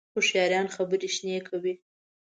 هوښیاران خبرې شنې کوي